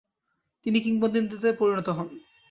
তিনি কিংবদন্তিতে পরিণত হন।